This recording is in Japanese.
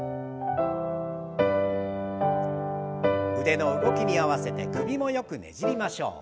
腕の動きに合わせて首もよくねじりましょう。